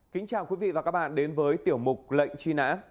kính chào quý vị và các bạn đến với tiểu mục lệnh truy nã